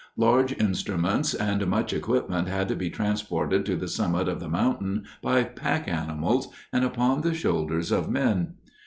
Large instruments and much equipment had to be transported to the summit of the mountain by pack animals and upon the shoulders of men.